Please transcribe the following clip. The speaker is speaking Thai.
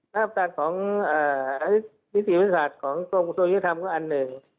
นักอัปดาลของนิติวิทยาศาสตร์ของโรงประสูริยธรรมก็อันหนึ่ง